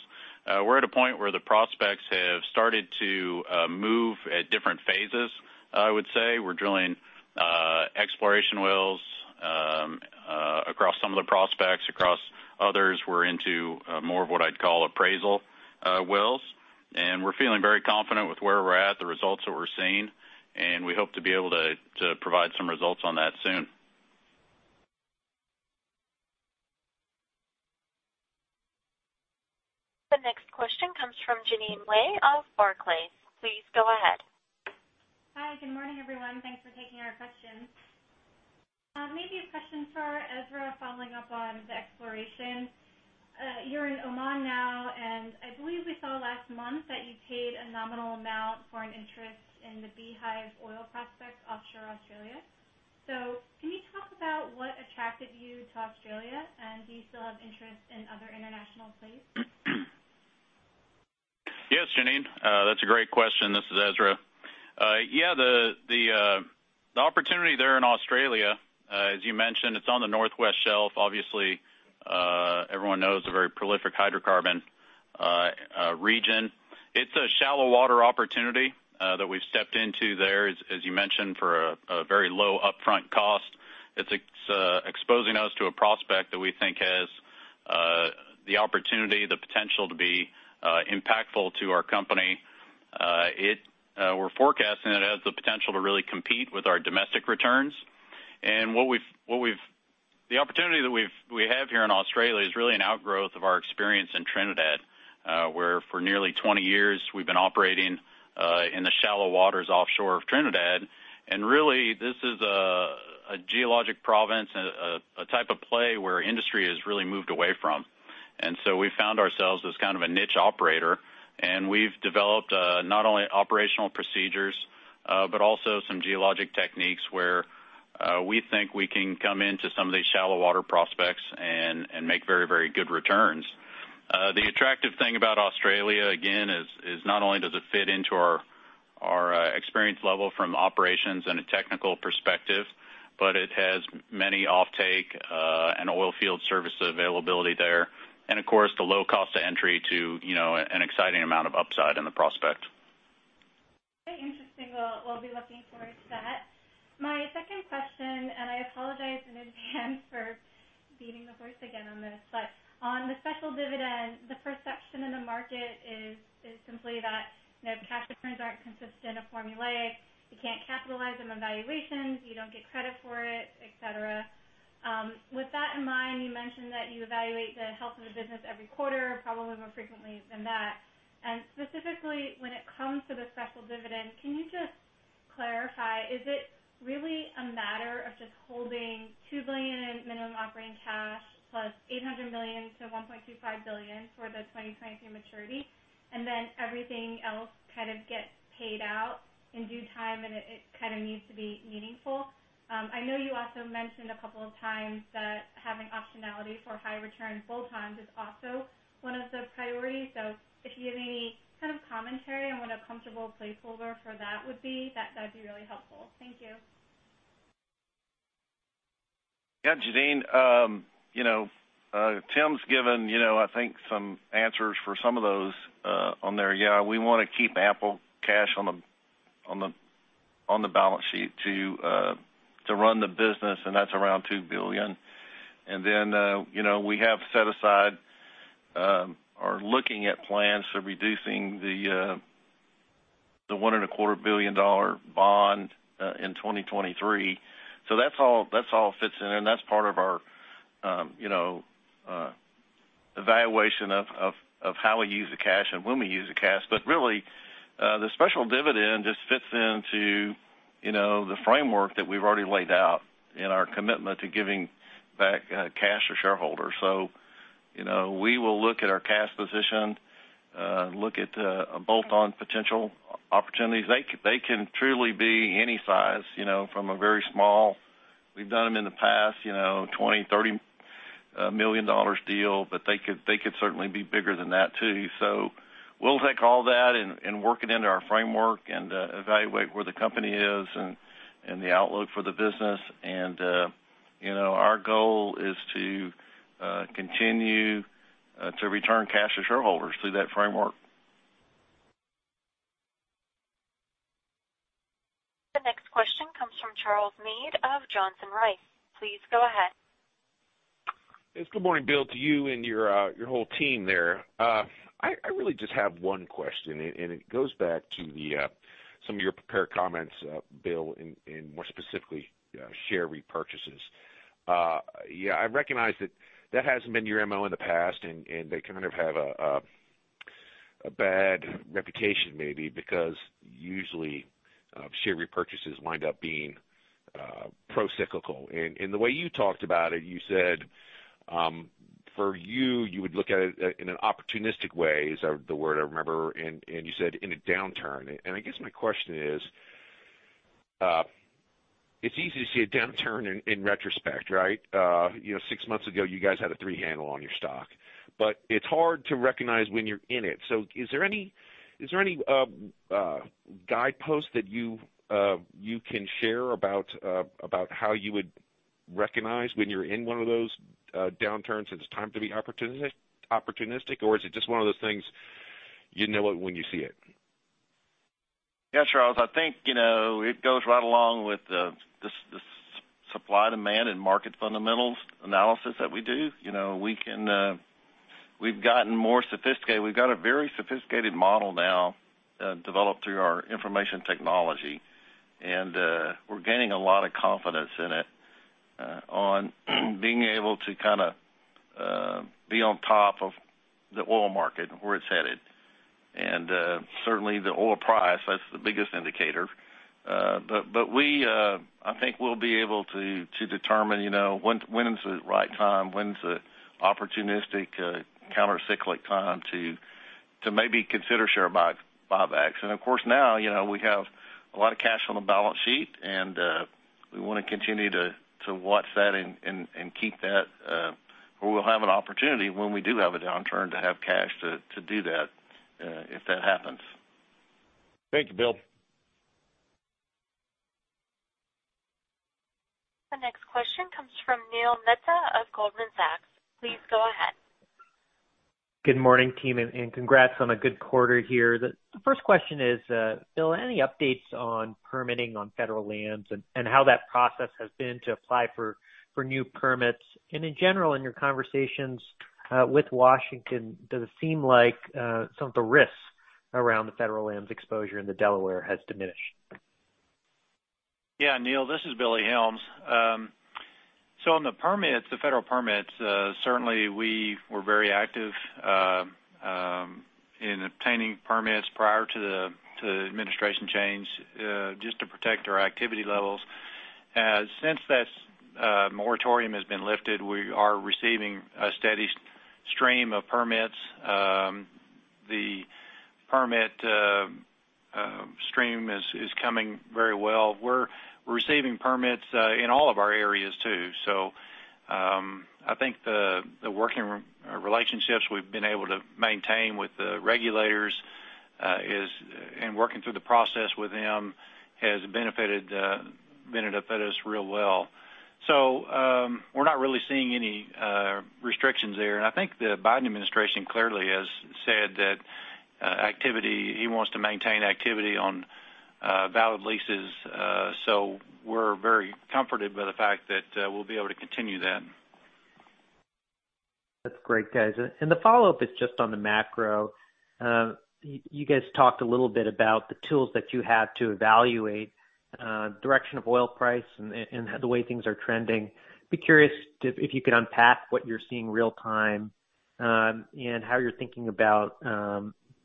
We're at a point where the prospects have started to move at different phases, I would say. We're drilling exploration wells across some of the prospects. Across others, we're into more of what I'd call appraisal wells. We're feeling very confident with where we're at, the results that we're seeing, and we hope to be able to provide some results on that soon. The next question comes from Jeanine Wai of Barclays. Please go ahead. Hi. Good morning, everyone. Thanks for taking our questions. Maybe a question for Ezra following up on the exploration. You're in Oman now, and I believe we saw last month that you paid a nominal amount for an interest in the Beehive oil prospect offshore Australia. Can you talk about what attracted you to Australia, and do you still have interest in other international plays? Yes, Jeanine. That's a great question. This is Ezra. Yeah, the opportunity there in Australia, as you mentioned, it's on the Northwest Shelf. Obviously, everyone knows a very prolific hydrocarbon region. It's a shallow water opportunity that we've stepped into there, as you mentioned, for a very low upfront cost. It's exposing us to a prospect that we think has the opportunity, the potential to be impactful to our company. We're forecasting it has the potential to really compete with our domestic returns. What we've the opportunity that we have here in Australia is really an outgrowth of our experience in Trinidad, where for nearly 20 years, we've been operating in the shallow waters offshore of Trinidad. Really, this is a geologic province, a type of play where industry has really moved away from. So we found ourselves as kind of a niche operator, and we've developed, not only operational procedures, but also some geologic techniques where, we think we can come into some of these shallow water prospects and make very, very good returns. The attractive thing about Australia, again, is not only does it fit into our Experience level from operations and a technical perspective, but it has many offtake and oil field service availability there. Of course, the low cost of entry to, you know, an exciting amount of upside in the prospect. Very interesting. We'll be looking forward to that. My second question, and I apologize in advance for beating the horse again on this, but on the special dividend, the perception in the market is simply that, you know, cash returns aren't consistent or formulaic. You can't capitalize them on valuations, you don't get credit for it, etc. With that in mind, you mentioned that you evaluate the health of the business every quarter, probably more frequently than that. Specifically, when it comes to the special dividend, can you just clarify, is it really a matter of just holding $2 billion minimum operating cash plus $800 million-$1.25 billion for the 2023 maturity, and then everything else kind of gets paid out in due time, and it kinda needs to be meaningful? I know you also mentioned a couple of times that having optionality for high return bolt-ons is also one of the priorities. If you have any kind of commentary on what a comfortable placeholder for that would be, that'd be really helpful. Thank you. Yeah, Jeanine. You know, Tim's given, you know, I think some answers for some of those on there. Yeah, we wanna keep ample cash on the balance sheet to run the business, and that's around $2 billion. You know, we have set aside, are looking at plans for reducing the $1 and a quarter billion dollar bond in 2023. That's all fits in there, and that's part of our, you know, evaluation of how we use the cash and when we use the cash. Really, the special dividend just fits into, you know, the framework that we've already laid out in our commitment to giving back cash to shareholders. You know, we will look at our cash position, look at bolt-on potential opportunities. They can truly be any size, you know, from a very small, we've done them in the past, you know, $20 million, $30 million deal, but they could certainly be bigger than that, too. We'll take all that and work it into our framework and evaluate where the company is and the outlook for the business. You know, our goal is to continue to return cash to shareholders through that framework. The next question comes from Charles Meade of Johnson Rice. Please go ahead. Yes, good morning, Bill, to you and your whole team there. I really just have one question, and it goes back to the some of your prepared comments, Bill, and more specifically, share repurchases. Yeah, I recognize that that hasn't been your MO in the past, and they kind of have a bad reputation maybe because usually, share repurchases wind up being procyclical. The way you talked about it, you said, for you would look at it in an opportunistic way, is the word I remember, and you said in a downturn. I guess my question is, it's easy to see a downturn in retrospect, right? You know, six months ago, you guys had a three handle on your stock, but it's hard to recognize when you're in it. Is there any guideposts that you can share about how you would recognize when you're in one of those downturns, and it's time to be opportunistic? Is it just one of those things you know it when you see it? Yeah, Charles, I think, you know, it goes right along with the supply demand and market fundamentals analysis that we do. You know, we can. We've gotten more sophisticated. We've got a very sophisticated model now, developed through our information technology, and we're gaining a lot of confidence in it, on being able to kind of be on top of the oil market and where it's headed. Certainly the oil price, that's the biggest indicator. We, I think we'll be able to determine, you know, when is the right time, when's the opportunistic, counter-cyclic time to maybe consider share buybacks. Of course, now, you know, we have a lot of cash on the balance sheet, and we wanna continue to watch that and keep that, where we'll have an opportunity when we do have a downturn to have cash to do that, if that happens. Thank you, Bill. The next question comes from Neil Mehta of Goldman Sachs. Please go ahead. Good morning, team, and congrats on a good quarter here. The first question is Bill, any updates on permitting on federal lands and how that process has been to apply for new permits? In general, in your conversations with Washington, does it seem like some of the risks around the federal lands exposure in the Delaware has diminished? Yeah, Neal, this is Billy Helms. On the permits, the federal permits, certainly we were very active in obtaining permits prior to the, to the administration change, just to protect our activity levels. Since that moratorium has been lifted, we are receiving a steady stream of permits. The permit stream is coming very well. We're receiving permits in all of our areas too. I think the working re-relationships we've been able to maintain with the regulators and working through the process with them has benefited us real well. We're not really seeing any restrictions there. I think the Biden administration clearly has said that he wants to maintain activity on valid leases. We're very comforted by the fact that we'll be able to continue that. That's great, guys. The follow-up is just on the macro. You guys talked a little bit about the tools that you have to evaluate direction of oil price and the way things are trending. Be curious if you could unpack what you're seeing real-time and how you're thinking about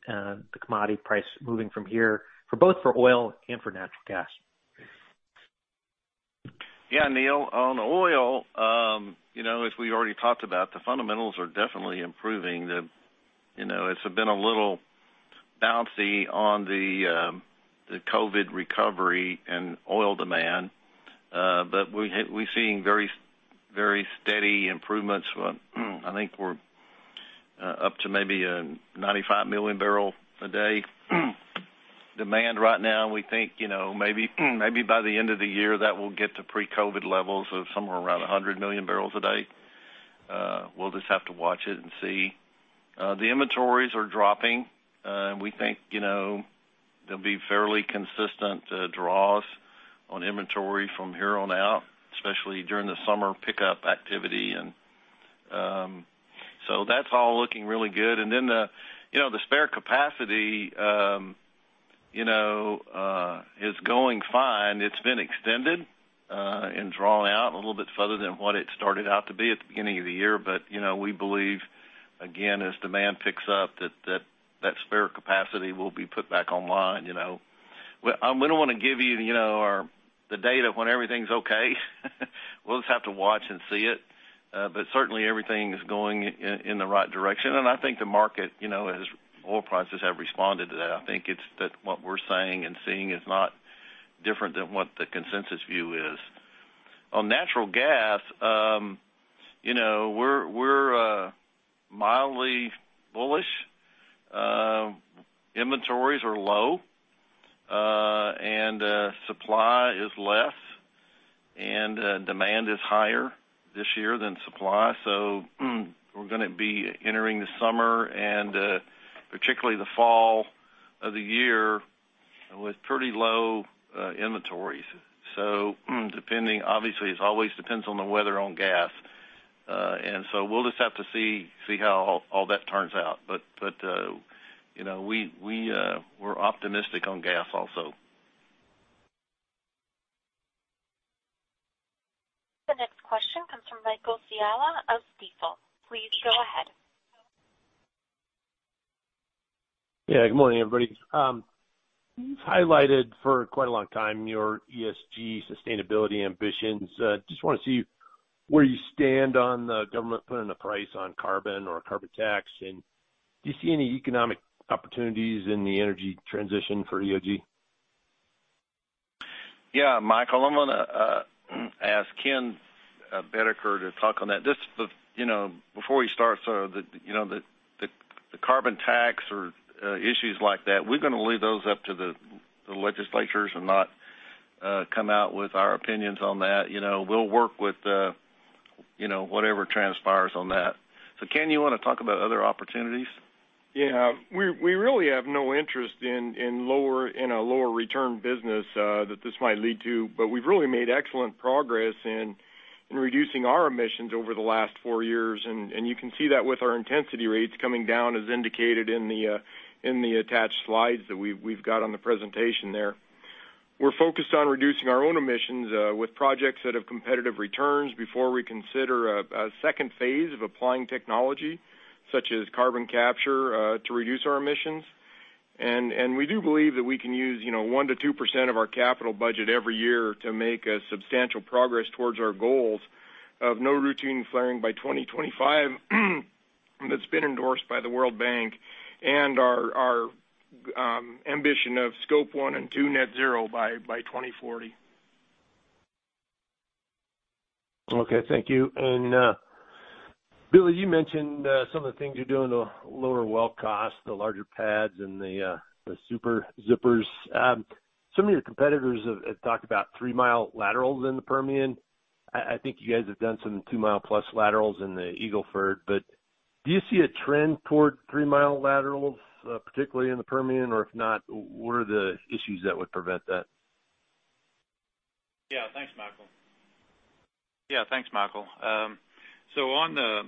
the commodity price moving from here for both for oil and for natural gas. Yeah, Neil. On oil, you know, as we already talked about, the fundamentals are definitely improving. You know, it's been a little bouncy on the COVID recovery and oil demand. We're seeing very, very steady improvements. I think we're up to maybe 95 MMbd demand right now. We think, you know, maybe by the end of the year, that will get to pre-COVID levels of somewhere around 100 MMbd. We'll just have to watch it and see. The inventories are dropping. We think, you know, they'll be fairly consistent draws on inventory from here on out, especially during the summer pickup activity. That's all looking really good. You know, the spare capacity, you know, is going fine. It's been extended, and drawn out a little bit further than what it started out to be at the beginning of the year. You know, we believe, again, as demand picks up that spare capacity will be put back online, you know. We don't wanna give you know, the data when everything's okay. We'll just have to watch and see it. Certainly, everything is going in the right direction. I think the market, you know, as oil prices have responded to that, I think it's that what we're saying and seeing is not different than what the consensus view is. On natural gas, you know, we're mildly bullish. Inventories are low, and supply is less, and demand is higher this year than supply. We're gonna be entering the summer and particularly the fall of the year with pretty low inventories. Depending, obviously, it always depends on the weather on gas. We'll just have to see how all that turns out. You know, we're optimistic on gas also. The next question comes from Michael Scialla of Stifel. Please go ahead. Yeah. Good morning, everybody. You've highlighted for quite a long time your ESG sustainability ambitions. Just wanna see where you stand on the government putting a price on carbon or a carbon tax, and do you see any economic opportunities in the energy transition for EOG? Yeah, Michael, I'm gonna ask Ken Boedeker to talk on that. Just, you know, before he starts, you know, the carbon tax or issues like that, we're gonna leave those up to the legislatures and not come out with our opinions on that. You know, we'll work with, you know, whatever transpires on that. Ken, you wanna talk about other opportunities? Yeah. We really have no interest in lower, in a lower return business that this might lead to, but we've really made excellent progress in reducing our emissions over the last four years. You can see that with our intensity rates coming down as indicated in the attached slides that we've got on the presentation there. We're focused on reducing our own emissions with projects that have competitive returns before we consider a second phase of applying technology such as carbon capture to reduce our emissions. We do believe that we can use, you know, 1%-2% of our capital budget every year to make substantial progress towards our goals of no routine flaring by 2025, that's been endorsed by the World Bank, and our ambition of Scope 1 and 2 net zero by 2040. Okay. Thank you. Billy, you mentioned, some of the things you're doing to lower well cost, the larger pads and the Super Zippers. Some of your competitors have talked about 3 mi laterals in the Permian. I think you guys have done some 2 mi laterals in the Eagle Ford. Do you see a trend toward 3 mi laterals, particularly in the Permian? If not, what are the issues that would prevent that? Thanks, Michael. Thanks, Michael. On the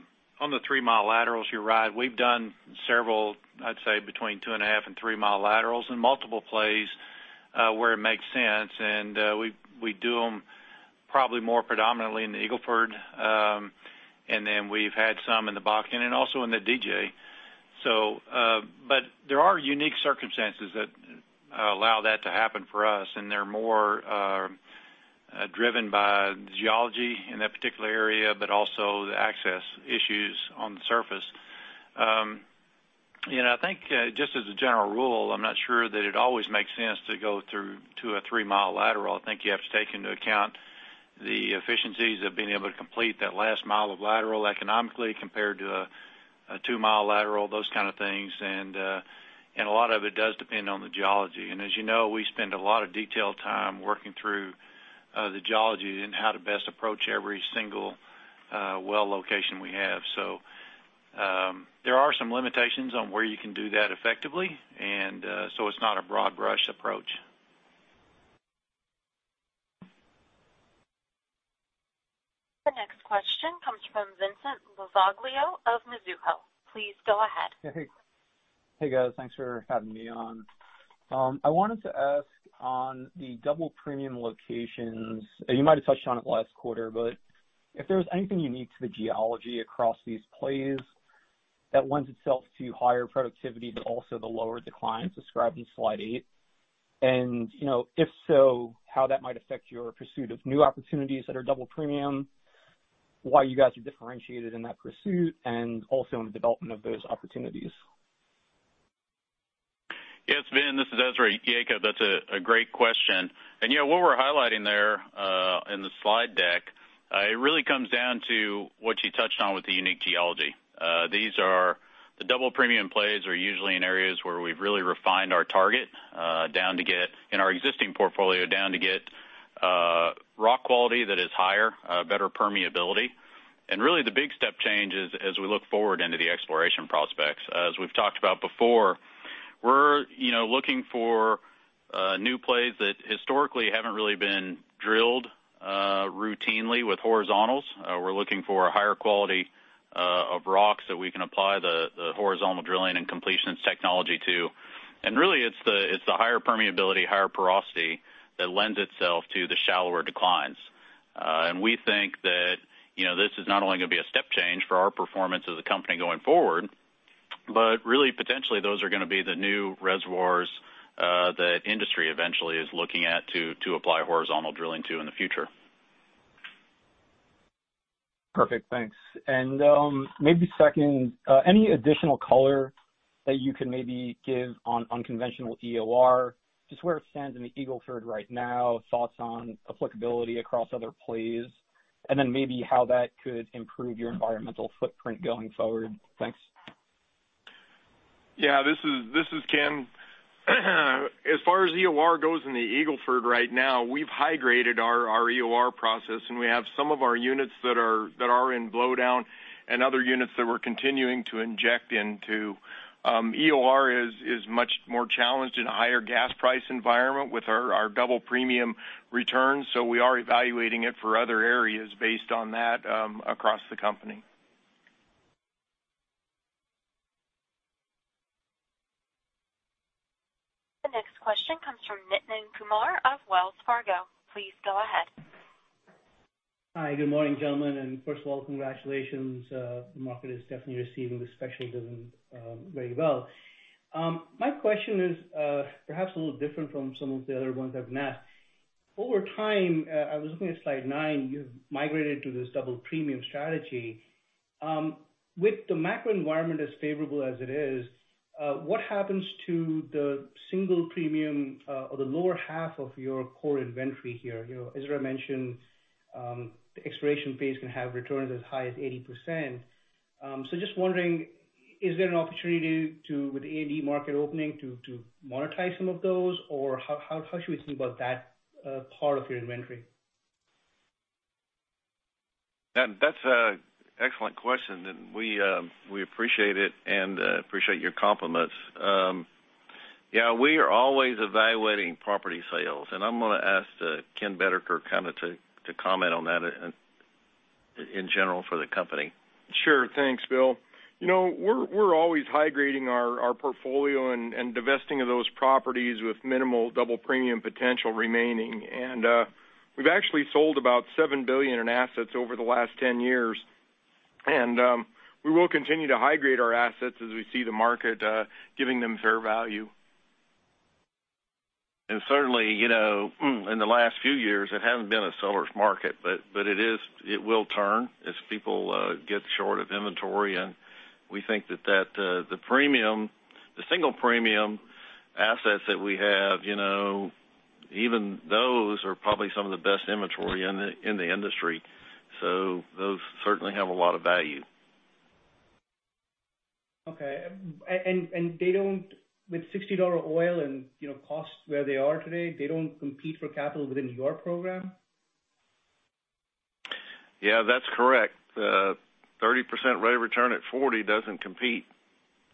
3 mi laterals you right, we've done several, I'd say between 2.5 mi and 3 mi laterals in multiple plays, where it makes sense. We do them probably more predominantly in the Eagle Ford. We've had some in the Bakken and also in the DJ. There are unique circumstances that allow that to happen for us, and they're more driven by geology in that particular area, but also the access issues on the surface. You know, I think, just as a general rule, I'm not sure that it always makes sense to go through to a 3 mi lateral. I think you have to take into account the efficiencies of being able to complete that last mile of lateral economically compared to a 2 mi lateral, those kind of things. A lot of it does depend on the geology. As you know, we spend a lot of detailed time working through the geology and how to best approach every single well location we have. There are some limitations on where you can do that effectively. It's not a broad brush approach. The next question comes from Vincent Lovaglio of Mizuho. Please go ahead. Hey. Hey, guys. Thanks for having me on. I wanted to ask on the double premium locations, you might have touched on it last quarter, but if there was anything unique to the geology across these plays that lends itself to higher productivity, but also the lower declines described in slide eight. You know, if so, how that might affect your pursuit of new opportunities that are double premium, why you guys are differentiated in that pursuit, and also in the development of those opportunities. Yes, Vin, this is Ezra. That's a great question. You know, what we're highlighting there in the slide deck, it really comes down to what you touched on with the unique geology. The Double Premium plays are usually in areas where we've really refined our target, in our existing portfolio, down to get rock quality that is higher, better permeability. Really the big step change is as we look forward into the exploration prospects. As we've talked about before, we're, you know, looking for new plays that historically haven't really been drilled routinely with horizontals. We're looking for a higher quality of rocks that we can apply the horizontal drilling and completions technology to. Really, it's the higher permeability, higher porosity that lends itself to the shallower declines. We think that, you know, this is not only gonna be a step change for our performance as a company going forward, but really potentially those are gonna be the new reservoirs that industry eventually is looking at to apply horizontal drilling to in the future. Perfect, thanks. Maybe second, any additional color that you can maybe give on unconventional EOR, just where it stands in the Eagle Ford right now, thoughts on applicability across other plays, and then maybe how that could improve your environmental footprint going forward? Thanks. Yeah, this is Ken. As far as EOR goes in the Eagle Ford right now, we've high-graded our EOR process, and we have some of our units that are in blowdown and other units that we're continuing to inject into. EOR is much more challenged in a higher gas price environment with our double premium returns, we are evaluating it for other areas based on that across the company. The next question comes from Nitin Kumar of Wells Fargo. Please go ahead. Hi, good morning, gentlemen. First of all, congratulations. The market is definitely receiving the special dividend very well. My question is perhaps a little different from some of the other ones I've asked. Over time, I was looking at slide nine, you've migrated to this double premium strategy. With the macro environment as favorable as it is, what happens to the single premium or the lower half of your core inventory here? You know, Ezra mentioned, the exploration phase can have returns as high as 80%. Just wondering, is there an opportunity to, with the A&D market opening, to monetize some of those, or how should we think about that part of your inventory? That's a excellent question, and we appreciate it and appreciate your compliments. We are always evaluating property sales, and I'm gonna ask Ken Boedeker kinda to comment on that in general for the company. Sure. Thanks, Bill. You know, we're always high-grading our portfolio and divesting of those properties with minimal double premium potential remaining. We've actually sold about $7 billion in assets over the last 10 years. We will continue to high-grade our assets as we see the market giving them fair value. Certainly, you know, in the last few years, it hasn't been a seller's market, but it will turn as people get short of inventory. We think that the premium, the single premium assets that we have, you know, even those are probably some of the best inventory in the industry. Those certainly have a lot of value. Okay. They don't, with $60 oil and, you know, costs where they are today, they don't compete for capital within your program? Yeah, that's correct. 30% rate of return at 40 doesn't compete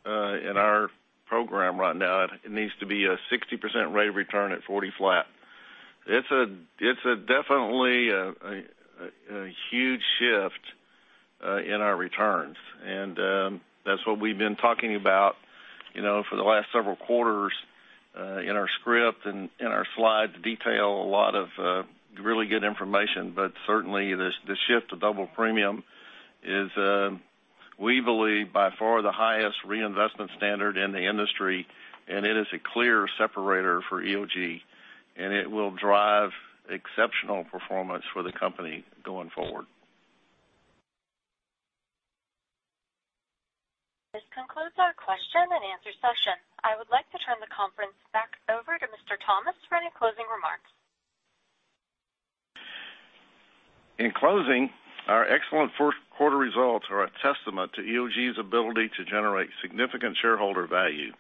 in our program right now. It needs to be a 60% rate of return at 40 flat. It's definitely a huge shift in our returns. That's what we've been talking about, you know, for the last several quarters, in our script and in our slides detail, a lot of really good information. Certainly, the shift to double premium is, we believe by far the highest reinvestment standard in the industry, and it is a clear separator for EOG, and it will drive exceptional performance for the company going forward. This concludes our question-and-answer session. I would like to turn the conference back over to Mr. Thomas for any closing remarks. In closing, our excellent first quarter results are a testament to EOG's ability to generate significant shareholder value.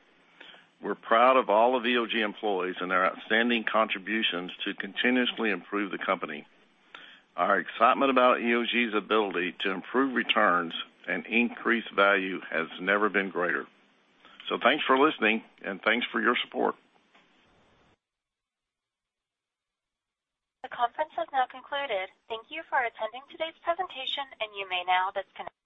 We're proud of all of EOG employees and their outstanding contributions to continuously improve the company. Our excitement about EOG's ability to improve returns and increase value has never been greater. Thanks for listening, and thanks for your support. The conference has now concluded. Thank you for attending today's presentation, and you may now disconnect.